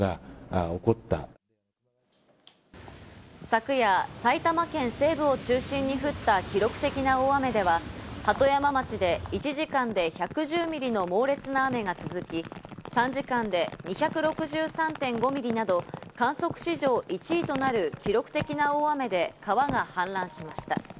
昨夜、埼玉県西部を中心に降った記録的な大雨では鳩山町で１時間で１１０ミリの猛烈な雨が続き、３時間で２６３．５ミリなど観測史上１位となる記録的な大雨で川が氾濫しました。